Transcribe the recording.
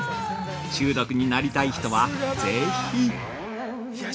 中毒になりたい人はぜひ。